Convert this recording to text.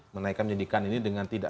menaikkan penyidikan ini dengan tidak